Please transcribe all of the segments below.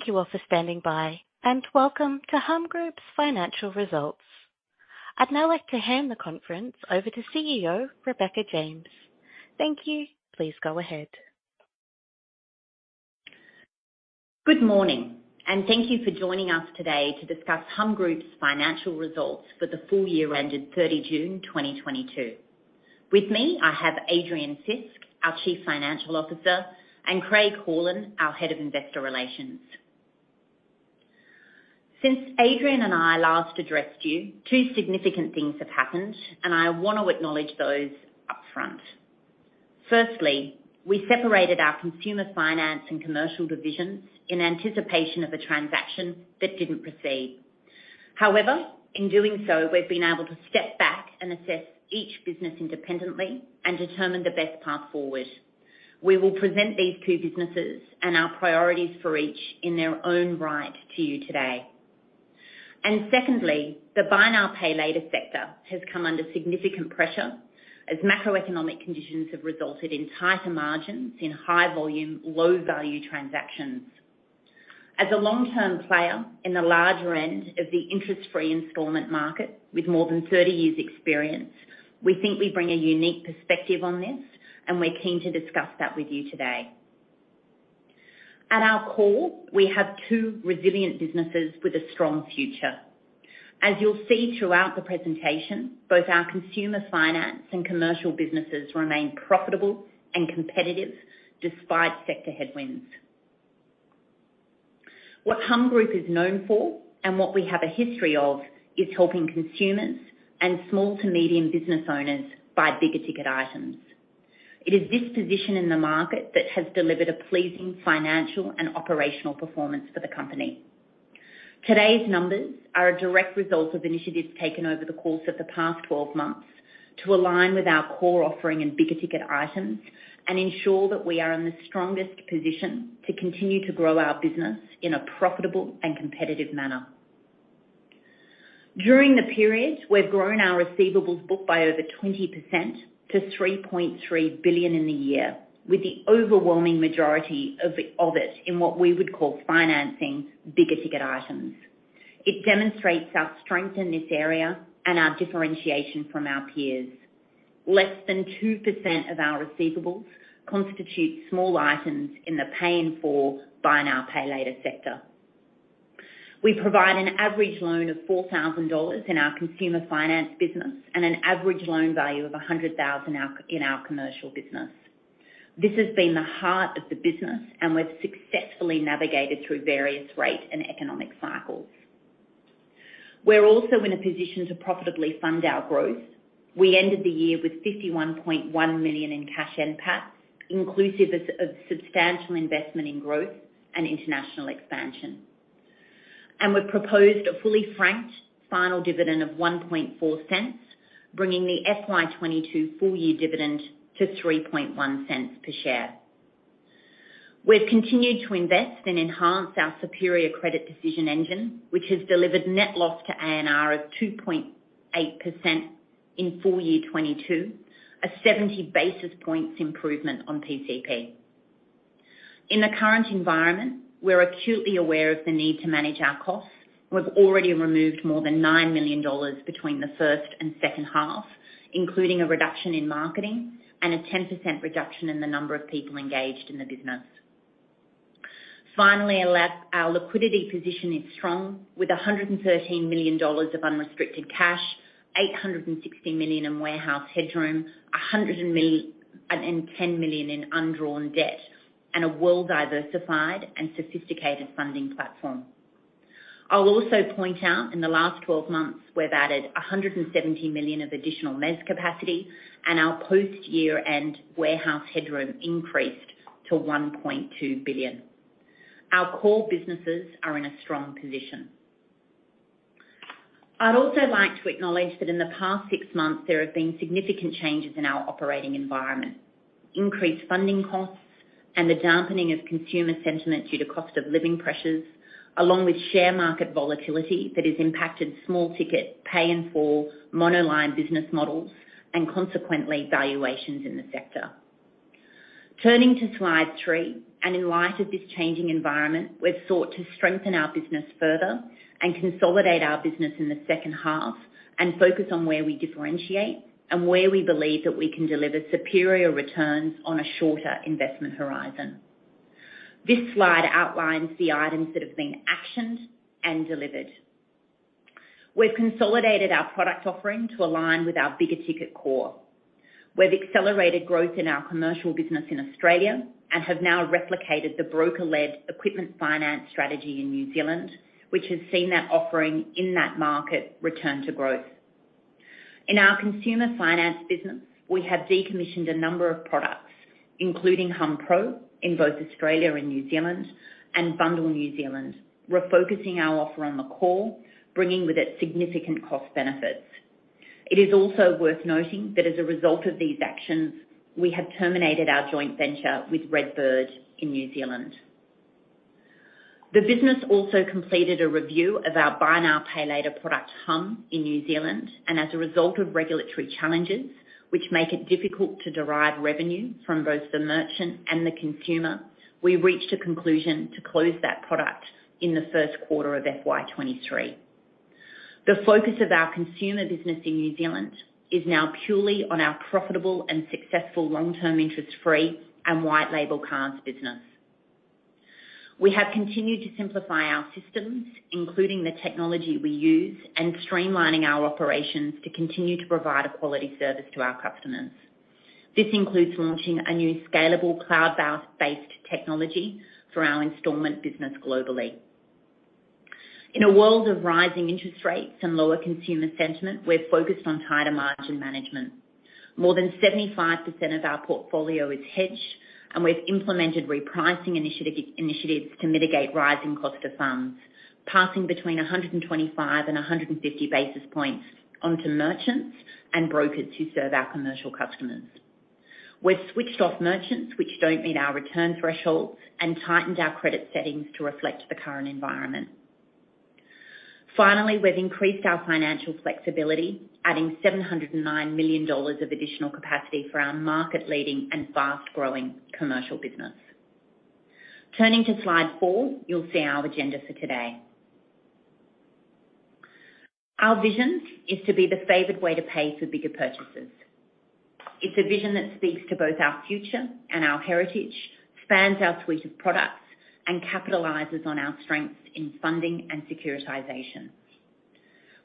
Thank you all for standing by, and welcome to Humm Group's financial results. I'd now like to hand the conference over to CEO, Rebecca James. Thank you. Please go ahead. Good morning, and thank you for joining us today to discuss Humm Group's financial results for the full year ended 30 June 2022. With me, I have Adrian Fisk, our Chief Financial Officer, and Craig Horlin, our Head of Investor Relations. Since Adrian and I last addressed you, two significant things have happened, and I wanna acknowledge those upfront. Firstly, we separated our consumer finance and commercial divisions in anticipation of a transaction that didn't proceed. However, in doing so, we've been able to step back and assess each business independently and determine the best path forward. We will present these two businesses and our priorities for each in their own right to you today. Secondly, the buy now, pay later sector has come under significant pressure as macroeconomic conditions have resulted in tighter margins in high volume, low value transactions. As a long-term player in the larger end of the interest-free installment market with more than 30 years' experience, we think we bring a unique perspective on this, and we're keen to discuss that with you today. At our core, we have two resilient businesses with a strong future. As you'll see throughout the presentation, both our consumer finance and commercial businesses remain profitable and competitive despite sector headwinds. What Humm Group is known for and what we have a history of is helping consumers and small to medium business owners buy bigger ticket items. It is this position in the market that has delivered a pleasing financial and operational performance for the company. Today's numbers are a direct result of initiatives taken over the course of the past 12 months to align with our core offering in bigger ticket items and ensure that we are in the strongest position to continue to grow our business in a profitable and competitive manner. During the period, we've grown our receivables book by over 20% to 3.3 billion in the year, with the overwhelming majority of it in what we would call financing bigger ticket items. It demonstrates our strength in this area and our differentiation from our peers. Less than 2% of our receivables constitute small items in the pay in full buy now, pay later sector. We provide an average loan of 4,000 dollars in our consumer finance business and an average loan value of 100,000 in our commercial business. This has been the heart of the business, and we've successfully navigated through various rate and economic cycles. We're also in a position to profitably fund our growth. We ended the year with 51.1 million in cash NPAT, inclusive of substantial investment in growth and international expansion. We've proposed a fully franked final dividend of 0.014, bringing the FY 2022 full-year dividend to 0.031 per share. We've continued to invest and enhance our superior credit decision engine, which has delivered net loss to ANR of 2.8% in full year 2022, a 70 basis points improvement on PCP. In the current environment, we're acutely aware of the need to manage our costs. We've already removed more than 9 million dollars between the first and second half, including a reduction in marketing and a 10% reduction in the number of people engaged in the business. Finally, our liquidity position is strong with 113 million dollars of unrestricted cash, 860 million in warehouse headroom, 110 million in undrawn debt, and a well-diversified and sophisticated funding platform. I'll also point out, in the last 12 months, we've added 170 million of additional mezzanine capacity, and our post-year-end warehouse headroom increased to 1.2 billion. Our core businesses are in a strong position. I'd also like to acknowledge that in the past six months, there have been significant changes in our operating environment. Increased funding costs and the dampening of consumer sentiment due to cost of living pressures, along with share market volatility that has impacted small ticket pay-in-full monoline business models and consequently valuations in the sector. Turning to slide three, in light of this changing environment, we've sought to strengthen our business further and consolidate our business in the second half and focus on where we differentiate and where we believe that we can deliver superior returns on a shorter investment horizon. This slide outlines the items that have been actioned and delivered. We've consolidated our product offering to align with our bigger ticket core. We've accelerated growth in our commercial business in Australia and have now replicated the broker-led equipment finance strategy in New Zealand, which has seen that offering in that market return to growth. In our consumer finance business, we have decommissioned a number of products, including hummpro in both Australia and New Zealand and bundll New Zealand. We're focusing our offer on the core, bringing with it significant cost benefits. It is also worth noting that as a result of these actions, we have terminated our joint venture with Red Bird in New Zealand. The business also completed a review of our buy now, pay later product, Humm, in New Zealand, and as a result of regulatory challenges, which make it difficult to derive revenue from both the merchant and the consumer. We reached a conclusion to close that product in the first quarter of FY 2023. The focus of our consumer business in New Zealand is now purely on our profitable and successful long-term interest-free and white label cards business. We have continued to simplify our systems, including the technology we use and streamlining our operations to continue to provide a quality service to our customers. This includes launching a new scalable cloud-based technology for our installment business globally. In a world of rising interest rates and lower consumer sentiment, we're focused on tighter margin management. More than 75% of our portfolio is hedged, and we've implemented repricing initiatives to mitigate rising cost of funds, passing between 125 and 150 basis points onto merchants and brokers who serve our commercial customers. We've switched off merchants which don't meet our return threshold and tightened our credit settings to reflect the current environment. Finally, we've increased our financial flexibility, adding 709 million dollars of additional capacity for our market-leading and fast-growing commercial business. Turning to slide four, you'll see our agenda for today. Our vision is to be the favored way to pay for bigger purchases. It's a vision that speaks to both our future and our heritage, spans our suite of products, and capitalizes on our strengths in funding and securitization.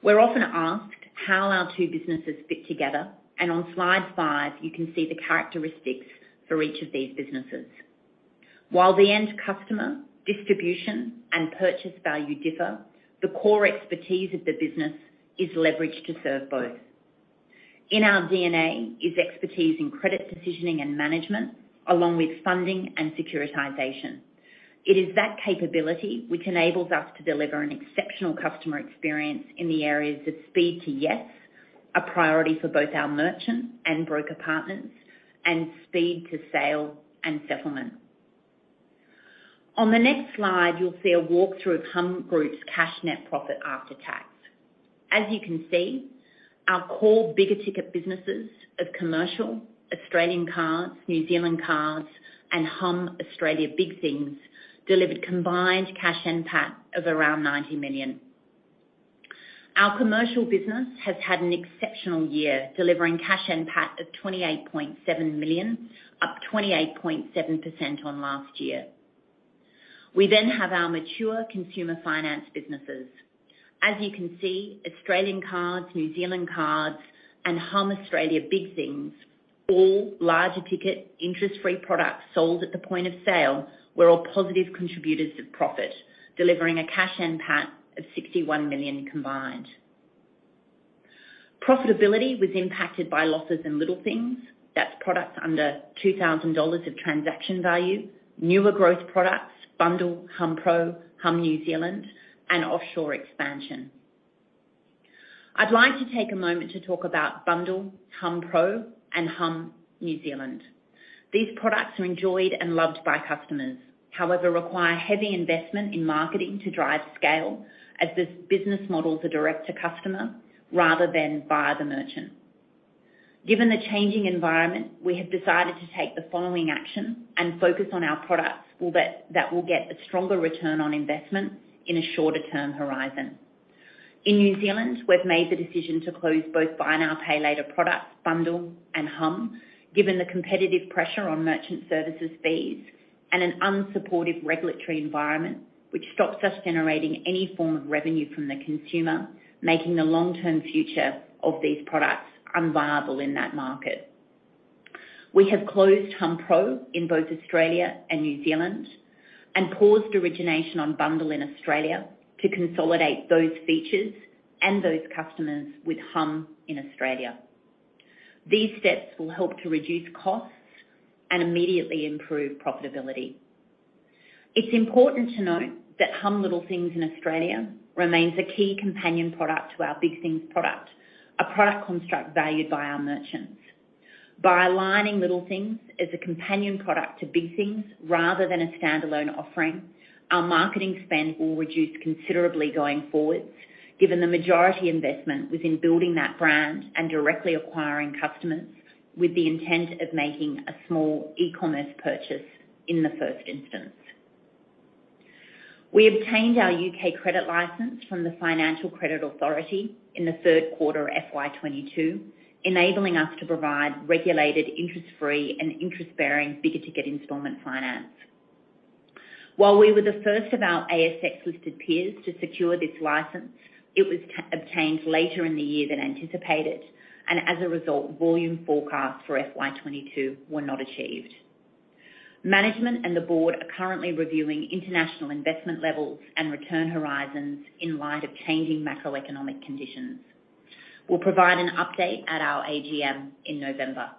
We're often asked how our two businesses fit together, and on slide five, you can see the characteristics for each of these businesses. While the end customer, distribution, and purchase value differ, the core expertise of the business is leveraged to serve both. In our DNA is expertise in credit decisioning and management, along with funding and securitization. It is that capability which enables us to deliver an exceptional customer experience in the areas of speed to yes, a priority for both our merchants and broker partners, and speed to sale and settlement. On the next slide, you'll see a walkthrough of Humm Group's Cash NPAT. As you can see, our core bigger ticket businesses of commercial, Australian Cards, New Zealand Cards, and Humm Australia Big Things delivered combined Cash NPAT of around 90 million. Our commercial business has had an exceptional year, delivering Cash NPAT of 28.7 million, up 28.7% on last year. We then have our mature consumer finance businesses. As you can see, Australian Cards, New Zealand Cards and Humm Australia Big Things, all larger ticket interest-free products sold at the point of sale, were all positive contributors to profit, delivering a Cash NPAT of 61 million combined. Profitability was impacted by losses in Little Things. That's products under 2,000 dollars of transaction value. Newer growth products, bundll, hummpro, Humm New Zealand, and offshore expansion. I'd like to take a moment to talk about bundll, hummpro, and Humm New Zealand. These products are enjoyed and loved by customers. However, require heavy investment in marketing to drive scale as the business model is a direct to customer rather than via the merchant. Given the changing environment, we have decided to take the following action and focus on our products that will get a stronger return on investment in a shorter term horizon. In New Zealand, we've made the decision to close both buy now, pay later products, bundll and Humm, given the competitive pressure on merchant services fees and an unsupportive regulatory environment which stops us generating any form of revenue from the consumer, making the long-term future of these products unviable in that market. We have closed hummpro in both Australia and New Zealand and paused origination on bundll in Australia to consolidate those features and those customers with Humm in Australia. These steps will help to reduce costs and immediately improve profitability. It's important to note that Humm Little Things in Australia remains a key companion product to our Big Things product, a product construct valued by our merchants. By aligning Little Things as a companion product to Big Things rather than a standalone offering, our marketing spend will reduce considerably going forward, given the majority investment within building that brand and directly acquiring customers with the intent of making a small e-commerce purchase in the first instance. We obtained our U.K. credit license from the Financial Conduct Authority in the third quarter of FY 2022, enabling us to provide regulated interest-free and interest-bearing bigger ticket installment finance. While we were the first of our ASX-listed peers to secure this license, it was obtained later in the year than anticipated, and as a result, volume forecasts for FY 2022 were not achieved. Management and the board are currently reviewing international investment levels and return horizons in light of changing macroeconomic conditions. We'll provide an update at our AGM in November.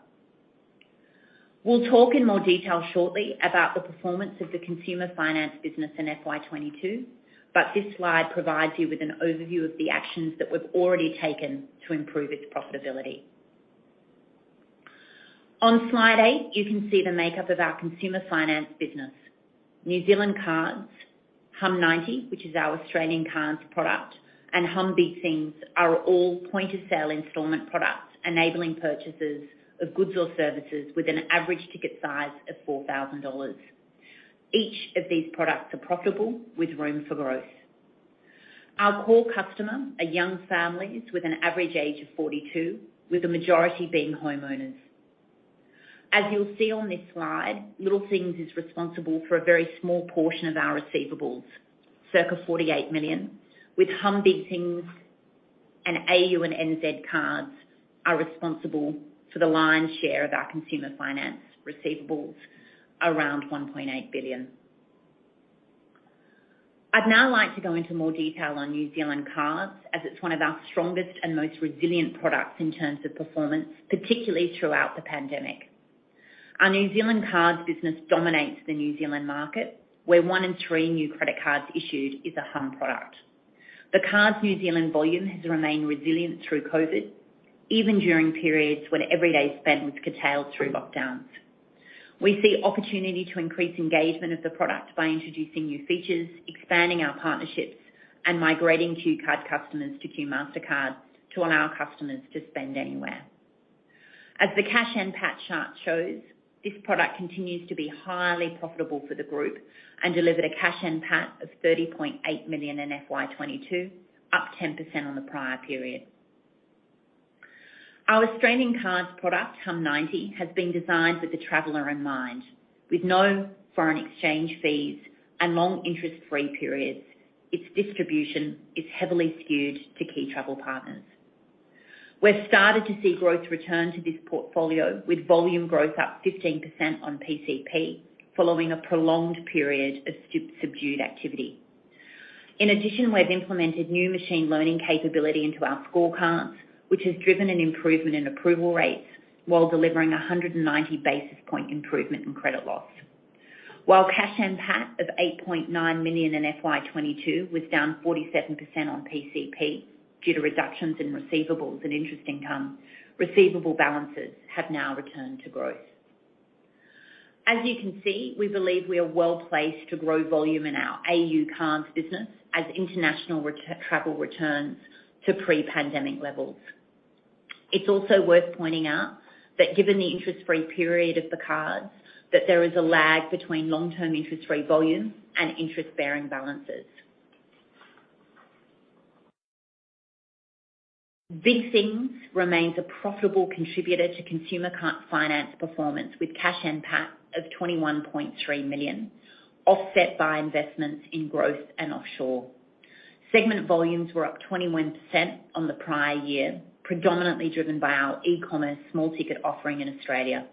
We'll talk in more detail shortly about the performance of the consumer finance business in FY 2022, but this slide provides you with an overview of the actions that we've already taken to improve its profitability. On slide eight, you can see the makeup of our consumer finance business. New Zealand Cards, humm90, which is our Australian cards product, and Humm Big Things are all point-of-sale installment products, enabling purchases of goods or services with an average ticket size of 4,000 dollars. Each of these products are profitable with room for growth. Our core customer are young families with an average age of 42, with the majority being homeowners. As you'll see on this slide, Little Things is responsible for a very small portion of our receivables, circa 48 million, with Humm Big Things and AU and NZ cards are responsible for the lion's share of our consumer finance receivables, around 1.8 billion. I'd now like to go into more detail on New Zealand Cards, as it's one of our strongest and most resilient products in terms of performance, particularly throughout the pandemic. Our New Zealand Cards business dominates the New Zealand market, where 1/3 new credit cards issued is a Humm product. The card's New Zealand volume has remained resilient through COVID, even during periods when everyday spend was curtailed through lockdowns. We see opportunity to increase engagement of the product by introducing new features, expanding our partnerships, and migrating Q Card customers to Q Mastercard to allow our customers to spend anywhere. As the Cash NPAT chart shows, this product continues to be highly profitable for the group and delivered a Cash NPAT of 30.8 million in FY 2022, up 10% on the prior period. Our Australian cards product, humm90, has been designed with the traveler in mind. With no foreign exchange fees and long interest-free periods, its distribution is heavily skewed to key travel partners. We've started to see growth return to this portfolio with volume growth up 15% on PCP, following a prolonged period of subdued activity. In addition, we've implemented new machine learning capability into our scorecards, which has driven an improvement in approval rates while delivering a 190 basis point improvement in credit loss. Cash NPAT of 8.9 million in FY 2022 was down 47% on PCP due to reductions in receivables and interest income, receivable balances have now returned to growth. As you can see, we believe we are well-placed to grow volume in our AU Cards business as international travel returns to pre-pandemic levels. It's also worth pointing out that given the interest-free period of the cards, that there is a lag between long-term interest-free volumes and interest-bearing balances. Big Things remains a profitable contributor to consumer finance performance, with Cash NPAT of 21.3 million, offset by investments in growth and offshore. Segment volumes were up 21% on the prior year, predominantly driven by our e-commerce small ticket offering in Australia.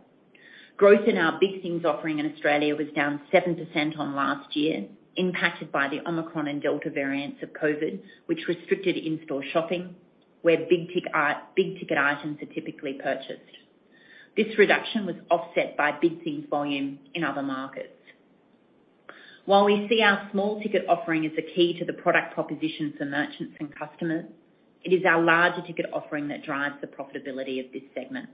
Growth in our Big Things offering in Australia was down 7% on last year, impacted by the Omicron and Delta variants of COVID, which restricted in-store shopping, where big ticket items are typically purchased. This reduction was offset by Big Things volume in other markets. While we see our small ticket offering as a key to the product proposition for merchants and customers, it is our larger ticket offering that drives the profitability of this segment.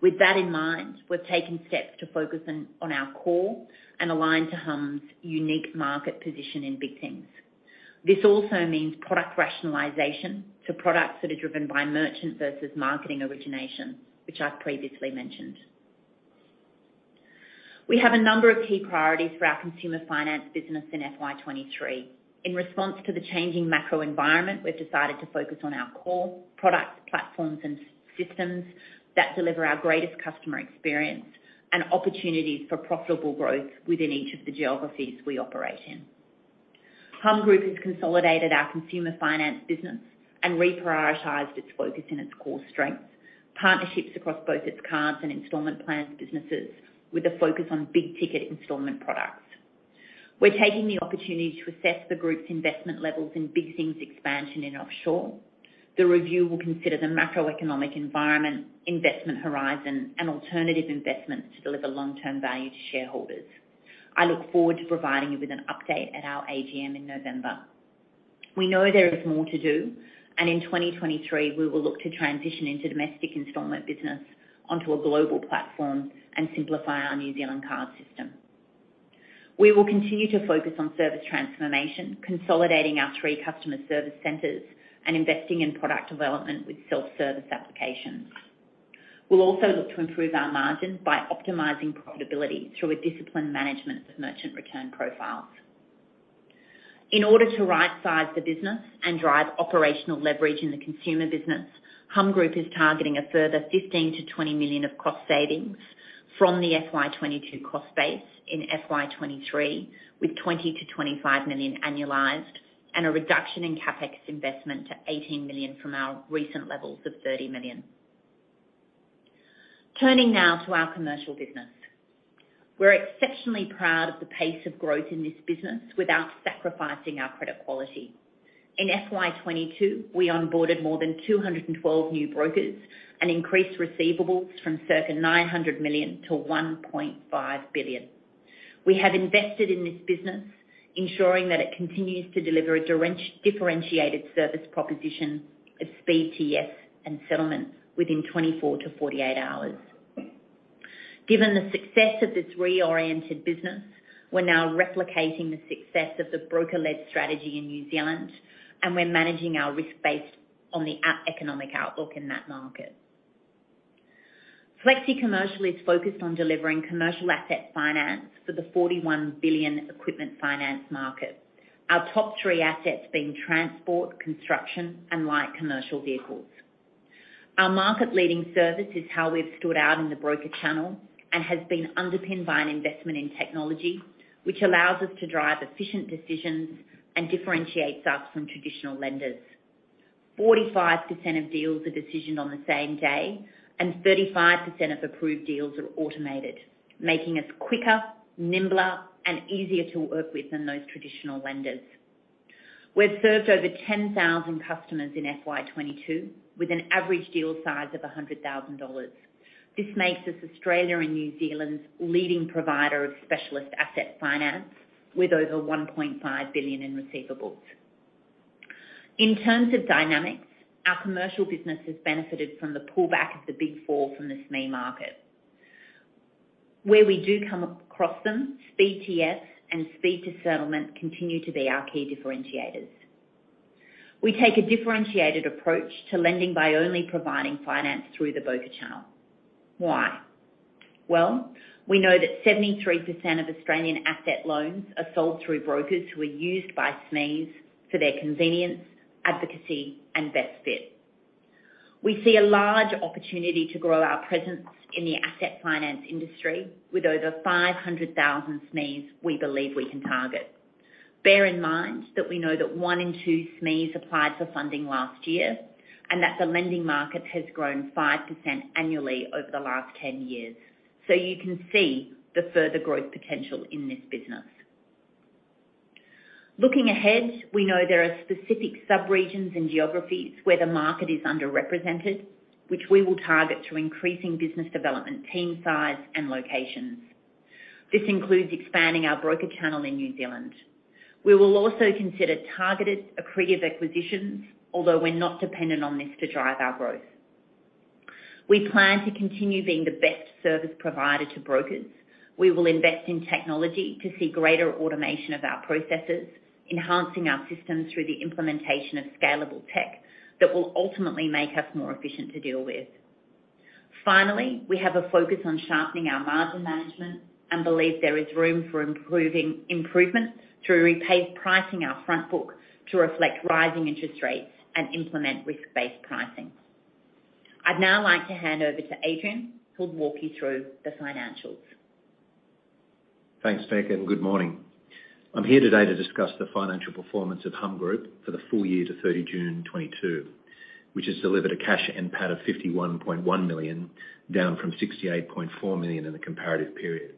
With that in mind, we're taking steps to focus on our core and align to Humm's unique market position in Big Things. This also means product rationalization to products that are driven by merchant versus marketing origination, which I've previously mentioned. We have a number of key priorities for our consumer finance business in FY 2023. In response to the changing macro environment, we've decided to focus on our core products, platforms, and systems that deliver our greatest customer experience and opportunities for profitable growth within each of the geographies we operate in. Humm Group has consolidated our consumer finance business and reprioritized its focus on its core strengths, partnerships across both its cards and installment plans businesses with a focus on big ticket installment products. We're taking the opportunity to assess the group's investment levels in Big Things expansion in offshore. The review will consider the macroeconomic environment, investment horizon, and alternative investments to deliver long-term value to shareholders. I look forward to providing you with an update at our AGM in November. We know there is more to do, and in 2023, we will look to transition into domestic installment business onto a global platform and simplify our New Zealand card system. We will continue to focus on service transformation, consolidating our three customer service centers and investing in product development with self-service applications. We'll also look to improve our margin by optimizing profitability through a disciplined management of merchant return profiles. In order to right-size the business and drive operational leverage in the consumer business, Humm Group is targeting a further 15 million-20 million of cost savings from the FY 2022 cost base in FY 2023, with 20 million-25 million annualized and a reduction in CapEx investment to 18 million from our recent levels of 30 million. Turning now to our commercial business. We're exceptionally proud of the pace of growth in this business without sacrificing our credit quality. In FY 2022, we onboarded more than 212 new brokers and increased receivables from circa 900 million-1.5 billion. We have invested in this business, ensuring that it continues to deliver a differentiated service proposition of speed to yes and settlement within 24-48 hours. Given the success of this reoriented business, we're now replicating the success of the broker-led strategy in New Zealand, and we're managing our risk based on the macroeconomic outlook in that market. Flexicommercial is focused on delivering commercial asset finance for the AUD 41 billion equipment finance market, our top three assets being transport, construction, and light commercial vehicles. Our market-leading service is how we've stood out in the broker channel and has been underpinned by an investment in technology, which allows us to drive efficient decisions and differentiates us from traditional lenders. 45% of deals are decisioned on the same day, and 35% of approved deals are automated, making us quicker, nimbler, and easier to work with than those traditional lenders. We've served over 10,000 customers in FY 2022 with an average deal size of 100,000 dollars. This makes us Australia and New Zealand's leading provider of specialist asset finance with over 1.5 billion in receivables. In terms of dynamics, our commercial business has benefited from the pullback of the Big Four from the SME market. Where we do come across them, speed to yes and speed to settlement continue to be our key differentiators. We take a differentiated approach to lending by only providing finance through the broker channel. Why? Well, we know that 73% of Australian asset loans are sold through brokers who are used by SMEs for their convenience, advocacy, and best fit. We see a large opportunity to grow our presence in the asset finance industry with over 500,000 SMEs we believe we can target. Bear in mind that we know that one in two SMEs applied for funding last year, and that the lending market has grown 5% annually over the last 10 years. You can see the further growth potential in this business. Looking ahead, we know there are specific sub-regions and geographies where the market is underrepresented, which we will target through increasing business development team size and locations. This includes expanding our broker channel in New Zealand. We will also consider targeted accretive acquisitions, although we're not dependent on this to drive our growth. We plan to continue being the best service provider to brokers. We will invest in technology to see greater automation of our processes, enhancing our systems through the implementation of scalable tech that will ultimately make us more efficient to deal with. Finally, we have a focus on sharpening our margin management and believe there is room for improvement through reprice pricing our front book to reflect rising interest rates and implement risk-based pricing. I'd now like to hand over to Adrian, who'll walk you through the financials. Thanks, Bec, and good morning. I'm here today to discuss the financial performance of Humm Group for the full year to 30 June 2022, which has delivered a Cash NPAT of 51.1 million, down from 68.4 million in the comparative period.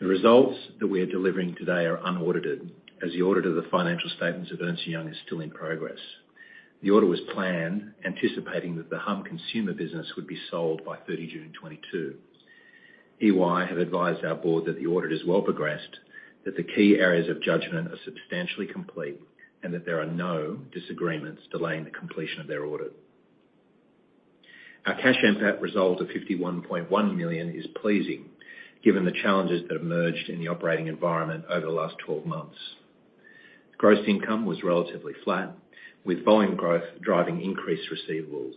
The results that we are delivering today are unaudited as the audit of the financial statements of Ernst & Young is still in progress. The audit was planned, anticipating that the Humm Consumer business would be sold by 30 June 2022. EY have advised our board that the audit is well progressed, that the key areas of judgment are substantially complete, and that there are no disagreements delaying the completion of their audit. Our Cash NPAT result of 51.1 million is pleasing given the challenges that emerged in the operating environment over the last 12 months. Gross income was relatively flat, with volume growth driving increased receivables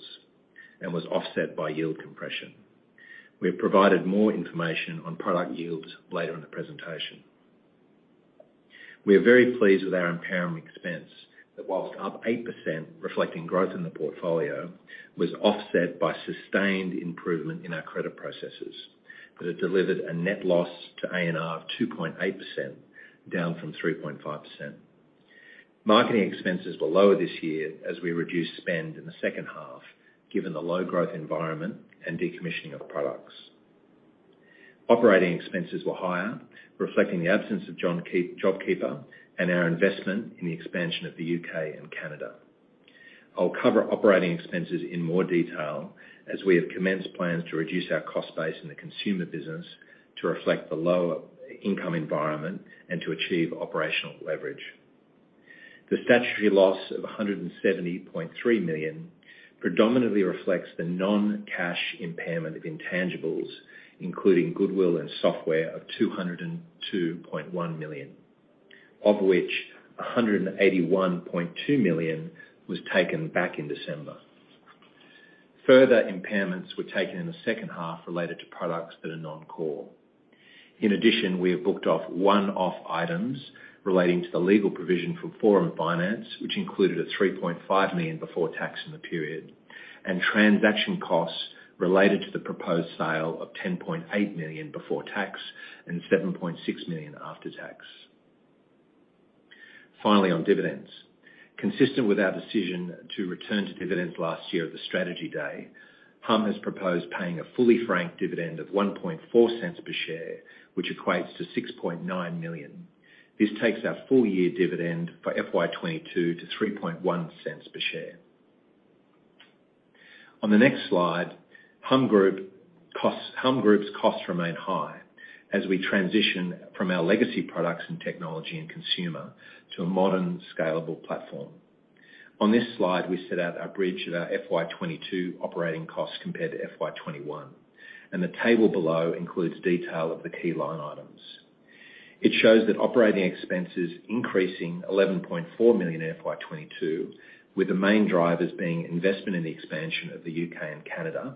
and was offset by yield compression. We have provided more information on product yields later in the presentation. We are very pleased with our impairment expense that, whilst up 8%, reflecting growth in the portfolio, was offset by sustained improvement in our credit processes that have delivered a net loss to A&R of 2.8%, down from 3.5%. Marketing expenses were lower this year as we reduced spend in the second half given the low growth environment and decommissioning of products. Operating expenses were higher, reflecting the absence of JobKeeper and our investment in the expansion of the U.K. and Canada. I'll cover operating expenses in more detail as we have commenced plans to reduce our cost base in the consumer business to reflect the lower income environment and to achieve operational leverage. The statutory loss of 170.3 million predominantly reflects the non-cash impairment of intangibles, including goodwill and software of 202.1 million, of which 181.2 million was taken back in December. Further impairments were taken in the second half related to products that are non-core. In addition, we have booked off one-off items relating to the legal provision for Forum Finance, which included a 3.5 million before tax in the period, and transaction costs related to the proposed sale of 10.8 million before tax and 7.6 million after tax. Finally, on dividends. Consistent with our decision to return to dividends last year at the strategy day, Humm has proposed paying a fully franked dividend of 0.014 per share, which equates to 6.9 million. This takes our full year dividend for FY 2022 to 0.031 per share. On the next slide, Humm Group's costs remain high as we transition from our legacy products in technology and consumer to a modern scalable platform. On this slide, we set out our bridge of our FY 2022 operating costs compared to FY 2021, and the table below includes detail of the key line items. It shows that operating expenses increasing 11.4 million in FY 2022, with the main drivers being investment in the expansion of the U.K. and Canada,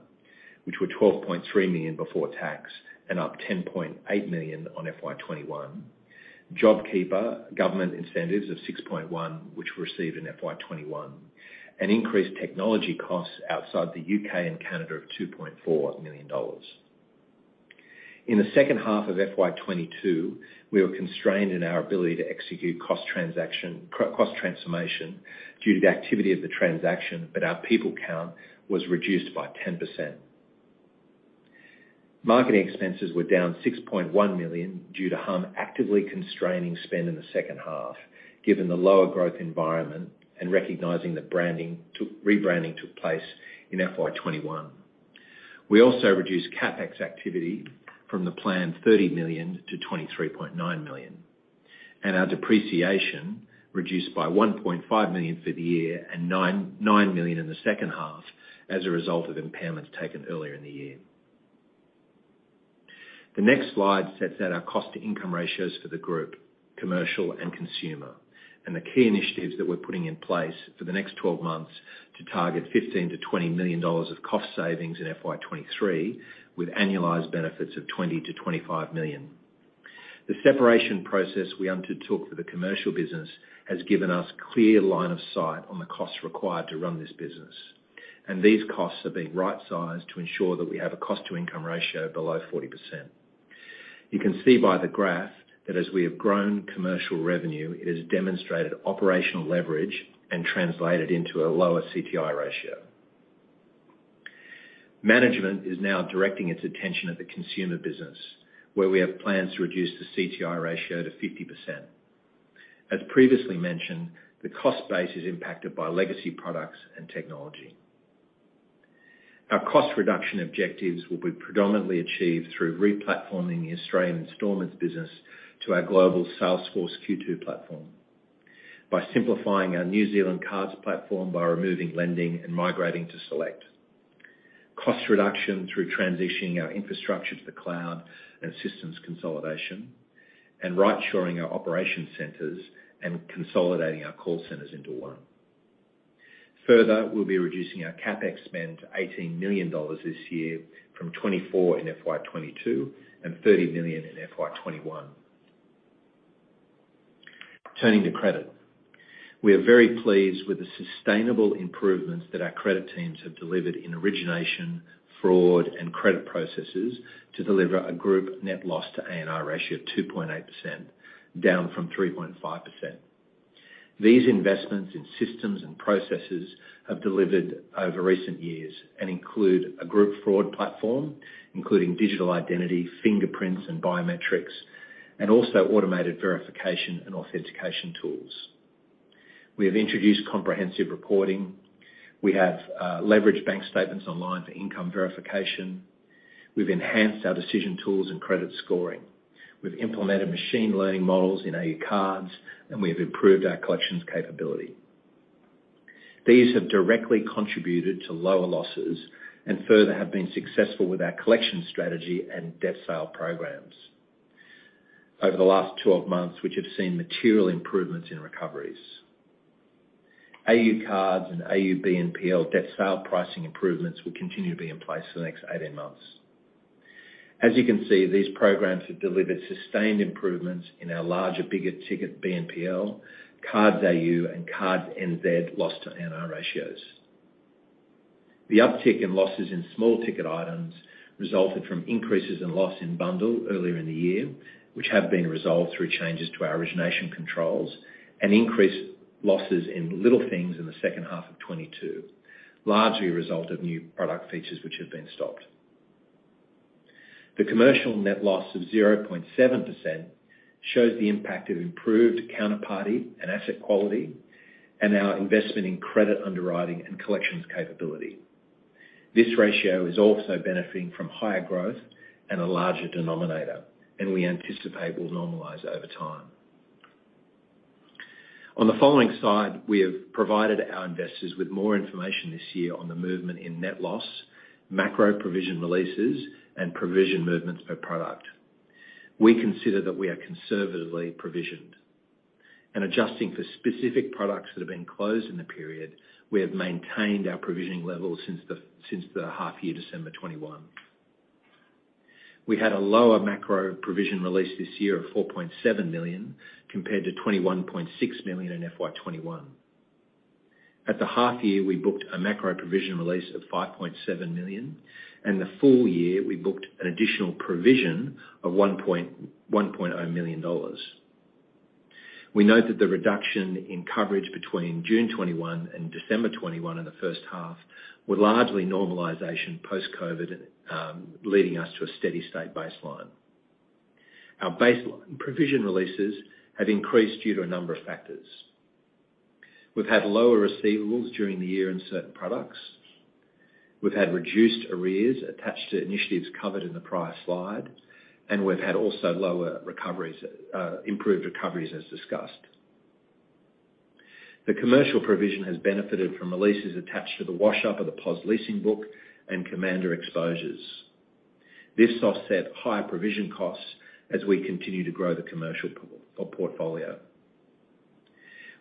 which were 12.3 million before tax and up 10.8 million on FY 2021. JobKeeper government incentives of 6.1 million, which we received in FY 2021. Increased technology costs outside the U.K. and Canada of 2.4 million dollars. In the second half of FY 2022, we were constrained in our ability to execute cost transformation due to the activity of the transaction, but our people count was reduced by 10%. Marketing expenses were down 6.1 million due to Humm actively constraining spend in the second half, given the lower growth environment and recognizing that rebranding took place in FY 2021. We also reduced CapEx activity from the planned 30 million to 23.9 million. Our depreciation reduced by 1.5 million for the year and 9.9 million in the second half as a result of impairments taken earlier in the year. The next slide sets out our cost to income ratios for the group, commercial and consumer, and the key initiatives that we're putting in place for the next 12 months to target 15 million-20 million dollars of cost savings in FY 2023 with annualized benefits of 20 million-25 million. The separation process we undertook for the commercial business has given us clear line of sight on the costs required to run this business, and these costs are being right-sized to ensure that we have a cost to income ratio below 40%. You can see by the graph that as we have grown commercial revenue, it has demonstrated operational leverage and translated into a lower CTI ratio. Management is now directing its attention at the consumer business, where we have plans to reduce the CTI ratio to 50%. As previously mentioned, the cost base is impacted by legacy products and technology. Our cost reduction objectives will be predominantly achieved through replatforming the Australian installments business to our global Salesforce Q2 platform. By simplifying our New Zealand cards platform by removing lending and migrating to Select. Cost reduction through transitioning our infrastructure to the cloud and systems consolidation, and right shoring our operation centers and consolidating our call centers into one. Further, we'll be reducing our CapEx spend to 18 million dollars this year from 24 million in FY 2022 and 30 million in FY 2021. Turning to credit. We are very pleased with the sustainable improvements that our credit teams have delivered in origination, fraud, and credit processes to deliver a group net loss to A&R ratio of 2.8%, down from 3.5%. These investments in systems and processes have delivered over recent years and include a group fraud platform, including digital identity, fingerprints, and biometrics, and also automated verification and authentication tools. We have introduced comprehensive reporting. We have leveraged bank statements online for income verification. We've enhanced our decision tools and credit scoring. We've implemented machine learning models in AU cards, and we have improved our collections capability. These have directly contributed to lower losses and further have been successful with our collection strategy and debt sale programs over the last 12 months, which have seen material improvements in recoveries. AU Cards and AU BNPL debt sale pricing improvements will continue to be in place for the next 18 months. As you can see, these programs have delivered sustained improvements in our larger, bigger ticket BNPL, Cards AU and Cards NZ loss to A&R ratios. The uptick in losses in small ticket items resulted from increases in loss in bundll earlier in the year, which have been resolved through changes to our origination controls and increased losses in Little Things in the second half of 2022, largely a result of new product features which have been stopped. The commercial net loss of 0.7% shows the impact of improved counterparty and asset quality and our investment in credit underwriting and collections capability. This ratio is also benefiting from higher growth and a larger denominator, and we anticipate will normalize over time. On the following slide, we have provided our investors with more information this year on the movement in net loss, macro provision releases, and provision movements per product. We consider that we are conservatively provisioned. Adjusting for specific products that have been closed in the period, we have maintained our provisioning levels since the half year, December 2021. We had a lower macro provision release this year of 4.7 million, compared to 21.6 million in FY 2021. At the half year, we booked a macro provision release of 5.7 million, and the full year, we booked an additional provision of 1.0 million dollars. We note that the reduction in coverage between June 2021 and December 2021 in the first half were largely normalization post-COVID, leading us to a steady state baseline. Our baseline provision releases have increased due to a number of factors. We've had lower receivables during the year in certain products. We've had reduced arrears attached to initiatives covered in the prior slide, and we've had also improved recoveries, as discussed. The commercial provision has benefited from releases attached to the wash-up of the POS leasing book and Commander exposures. This offset higher provision costs as we continue to grow the commercial pool or portfolio.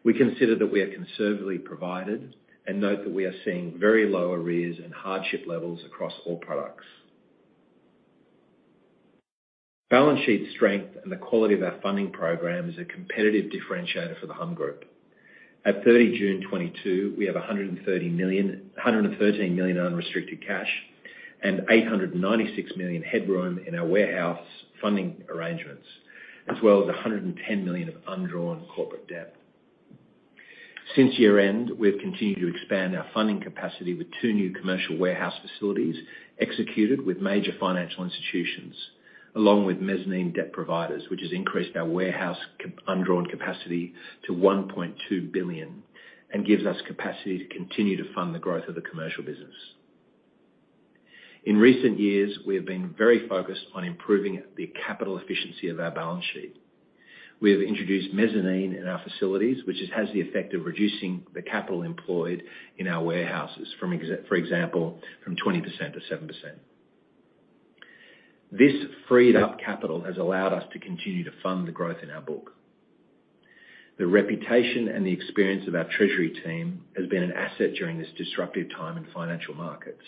We consider that we are conservatively provided and note that we are seeing very low arrears and hardship levels across all products. Balance sheet strength and the quality of our funding program is a competitive differentiator for the Humm Group. At 30 June 2022, we have 113 million unrestricted cash and 896 million headroom in our warehouse funding arrangements, as well as 110 million of undrawn corporate debt. Since year-end, we've continued to expand our funding capacity with two new commercial warehouse facilities executed with major financial institutions, along with mezzanine debt providers, which has increased our warehouse undrawn capacity to 1.2 billion, and gives us capacity to continue to fund the growth of the commercial business. In recent years, we have been very focused on improving the capital efficiency of our balance sheet. We have introduced mezzanine in our facilities, which it has the effect of reducing the capital employed in our warehouses from, for example, 20% to 7%. This freed up capital has allowed us to continue to fund the growth in our book. The reputation and the experience of our treasury team has been an asset during this disruptive time in financial markets.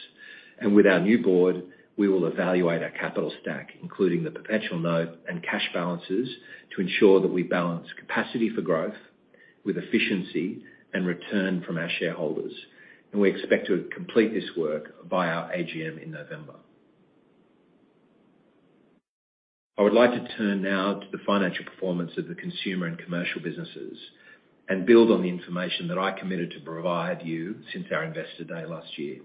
With our new board, we will evaluate our capital stack, including the perpetual note and cash balances, to ensure that we balance capacity for growth with efficiency and return from our shareholders, and we expect to complete this work by our AGM in November. I would like to turn now to the financial performance of the consumer and commercial businesses and build on the information that I committed to provide you since our investor day last year.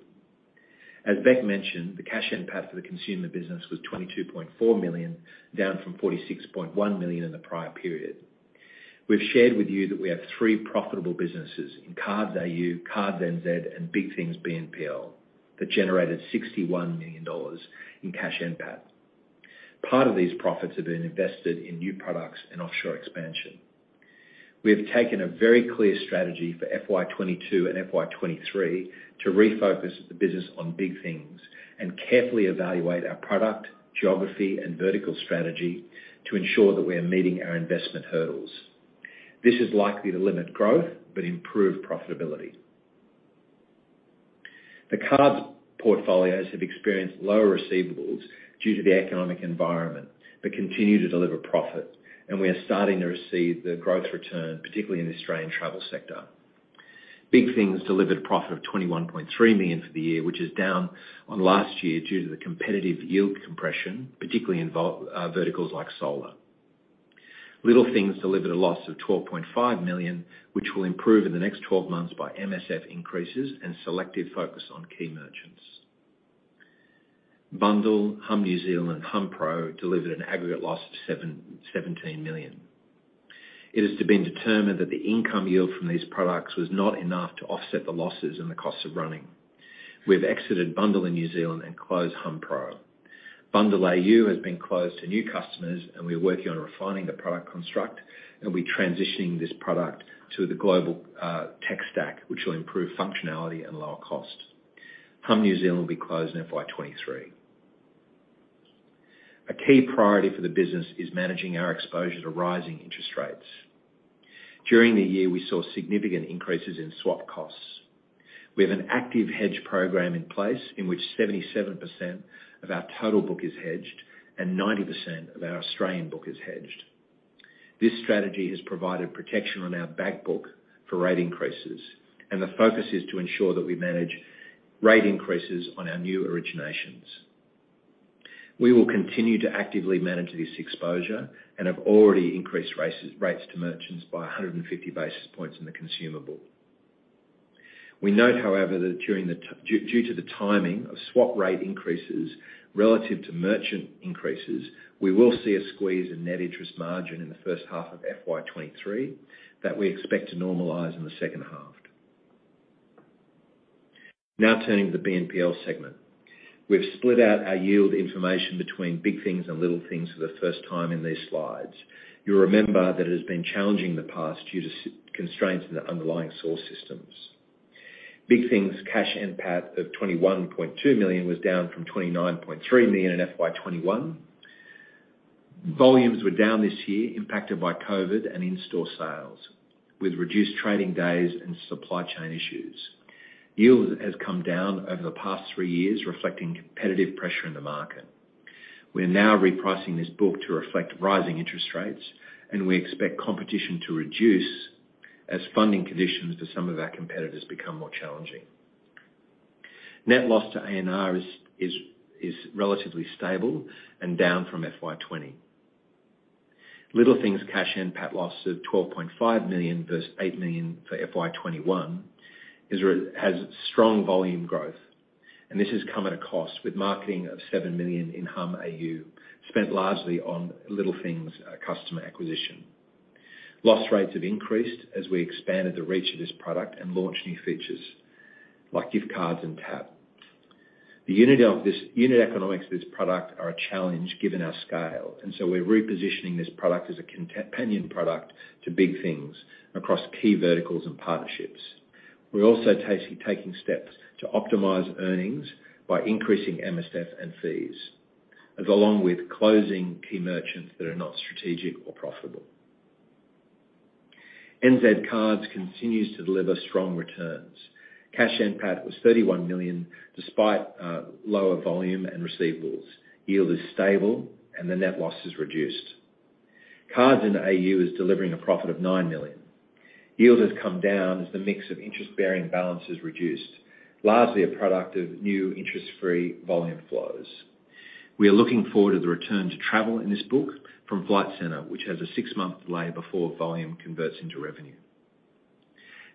As Bec mentioned, the cash NPAT for the consumer business was 22.4 million, down from 46.1 million in the prior period. We've shared with you that we have three profitable businesses in Cards AU, Cards NZ, and Big Things BNPL that generated 61 million dollars in cash NPAT. Part of these profits have been invested in new products and offshore expansion. We have taken a very clear strategy for FY 2022 and FY 2023 to refocus the business on Big Things and carefully evaluate our product, geography, and vertical strategy to ensure that we are meeting our investment hurdles. This is likely to limit growth, but improve profitability. The cards portfolios have experienced lower receivables due to the economic environment, but continue to deliver profit, and we are starting to receive the growth return, particularly in the Australian travel sector. Big Things delivered a profit of AUD 21.3 million for the year, which is down on last year due to the competitive yield compression, particularly in verticals like solar. Little Things delivered a loss of 12.5 million, which will improve in the next 12 months by MSF increases and selective focus on key merchants. bundll, Humm New Zealand, hummpro delivered an aggregate loss of 17 million. It has been determined that the income yield from these products was not enough to offset the losses and the costs of running. We've exited bundll in New Zealand and closed hummpro. bundll AU has been closed to new customers, and we're working on refining the product construct, and we're transitioning this product to the global tech stack, which will improve functionality and lower cost. Humm New Zealand will be closed in FY 2023. A key priority for the business is managing our exposure to rising interest rates. During the year, we saw significant increases in swap costs. We have an active hedge program in place, in which 77% of our total book is hedged and 90% of our Australian book is hedged. This strategy has provided protection on our bank book for rate increases, and the focus is to ensure that we manage rate increases on our new originations. We will continue to actively manage this exposure and have already increased rates to merchants by 150 basis points in the consumer. We note, however, that due to the timing of swap rate increases relative to merchant increases, we will see a squeeze in net interest margin in the first half of FY 2023 that we expect to normalize in the second half. Now turning to the BNPL segment. We've split out our yield information between Big Things and Little Things for the first time in these slides. You'll remember that it has been challenging in the past due to system constraints in the underlying source systems. Big Things cash NPAT of 21.2 million was down from 29.3 million in FY 2021. Volumes were down this year, impacted by COVID and in-store sales, with reduced trading days and supply chain issues. Yield has come down over the past three years, reflecting competitive pressure in the market. We are now repricing this book to reflect rising interest rates, and we expect competition to reduce as funding conditions to some of our competitors become more challenging. Net loss to ANR is relatively stable and down from FY 2021. Little Things cash NPAT loss of 12.5 million versus 8 million for FY 2021 has strong volume growth. This has come at a cost with marketing of 7 million in Humm AU, spent largely on Little Things customer acquisition. Loss rates have increased as we expanded the reach of this product and launched new features like gift cards and tap. The unit economics of this product are a challenge given our scale, and so we're repositioning this product as a companion product to Big Things across key verticals and partnerships. We're also taking steps to optimize earnings by increasing MSF and fees, as well as closing key merchants that are not strategic or profitable. NZ Cards continues to deliver strong returns. Cash NPAT was 31 million despite lower volume and receivables. Yield is stable and the net loss is reduced. Cards AU is delivering a profit of 9 million. Yield has come down as the mix of interest-bearing balance is reduced, largely a product of new interest-free volume flows. We are looking forward to the return to travel in this book from Flight Centre, which has a six-month delay before volume converts into revenue.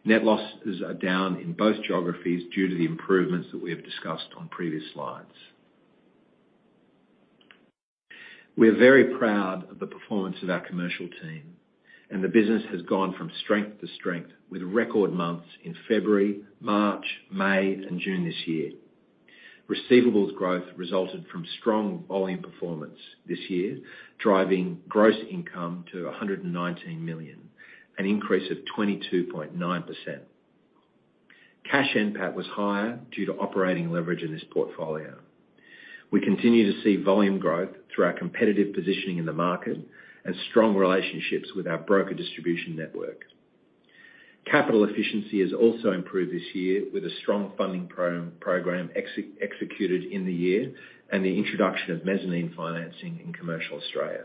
Net losses are down in both geographies due to the improvements that we have discussed on previous slides. We're very proud of the performance of our commercial team, and the business has gone from strength to strength with record months in February, March, May, and June this year. Receivables growth resulted from strong volume performance this year, driving gross income to 119 million, an increase of 22.9%. Cash NPAT was higher due to operating leverage in this portfolio. We continue to see volume growth through our competitive positioning in the market and strong relationships with our broker distribution network. Capital efficiency has also improved this year with a strong funding program executed in the year and the introduction of mezzanine financing in commercial Australia.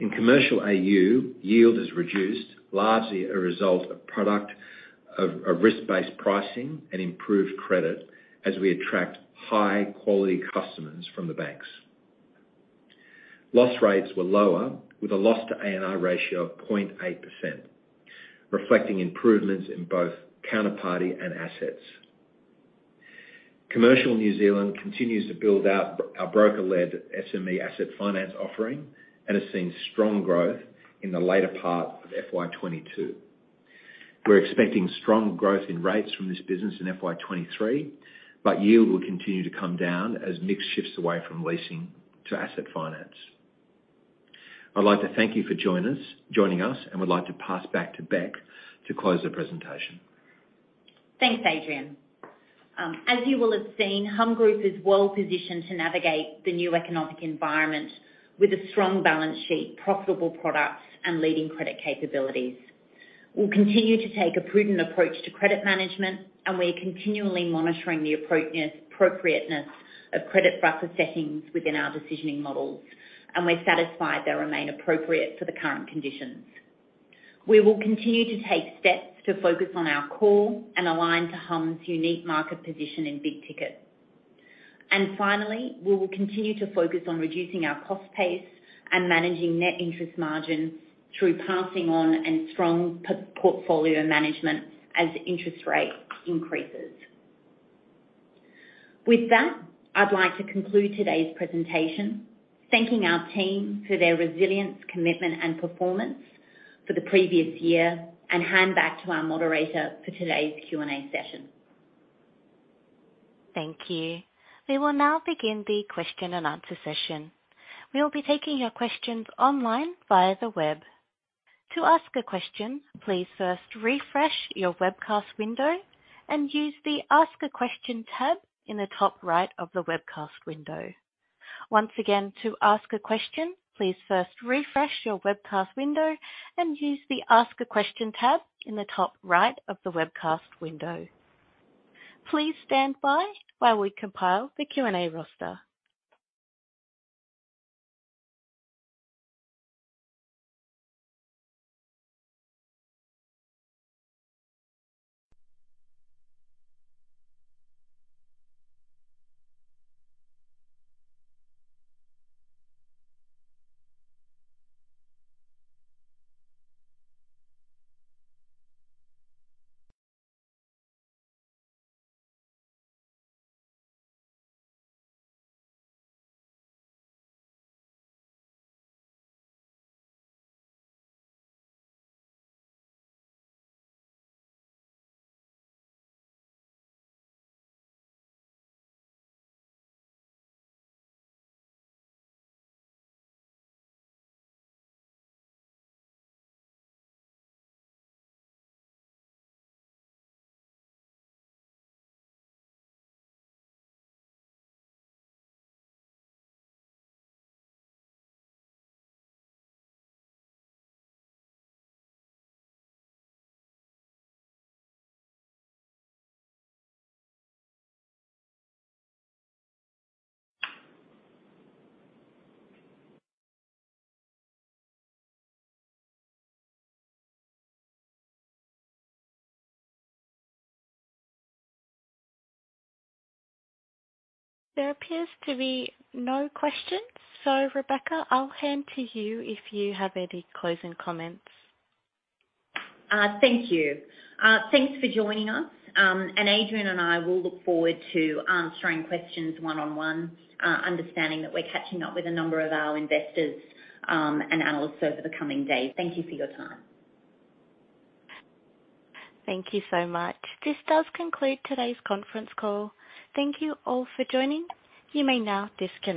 In commercial AU, yield has reduced largely as a result of product of risk-based pricing and improved credit as we attract high-quality customers from the banks. Loss rates were lower, with a loss to ANR ratio of 0.8%, reflecting improvements in both counterparty and assets. Commercial New Zealand continues to build out our broker-led SME asset finance offering and has seen strong growth in the later part of FY 2022. We're expecting strong growth in rates from this business in FY 2023, but yield will continue to come down as mix shifts away from leasing to asset finance. I'd like to thank you for joining us and would like to pass back to Bec to close the presentation. Thanks, Adrian. As you will have seen, Humm Group is well-positioned to navigate the new economic environment with a strong balance sheet, profitable products, and leading credit capabilities. We'll continue to take a prudent approach to credit management, and we are continually monitoring the appropriateness of credit buffer settings within our decisioning models, and we're satisfied they remain appropriate for the current conditions. We will continue to take steps to focus on our core and align to Humm's unique market position in big ticket. Finally, we will continue to focus on reducing our cost base and managing net interest margins through passing on and strong portfolio management as interest rates increase. With that, I'd like to conclude today's presentation, thanking our team for their resilience, commitment, and performance for the previous year, and hand back to our moderator for today's Q&A session. Thank you. We will now begin the question and answer session. We will be taking your questions online via the web. To ask a question, please first refresh your webcast window and use the Ask a Question tab in the top right of the webcast window. Once again, to ask a question, please first refresh your webcast window and use the Ask a Question tab in the top right of the webcast window. Please stand by while we compile the Q&A roster. There appears to be no questions. Rebecca, I'll hand to you if you have any closing comments. Thank you. Thanks for joining us. Adrian and I will look forward to answering questions one on one, understanding that we're catching up with a number of our investors, and analysts over the coming days. Thank you for your time. Thank you so much. This does conclude today's conference call. Thank you all for joining. You may now disconnect.